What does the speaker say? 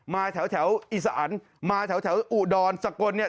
มาแถวแถวอีสะอันมาแถวแถวอุดรสกลเนี่ย